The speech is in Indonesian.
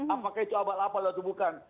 apakah itu abad apa atau bukan